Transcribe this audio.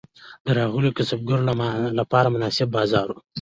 د راغلیو کسبګرو لپاره مناسب بازار و.